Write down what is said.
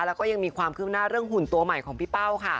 แล้วก็ยังมีความคืบหน้าเรื่องหุ่นตัวใหม่ของพี่เป้าค่ะ